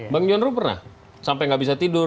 bang johnro pernah sampai nggak bisa tidur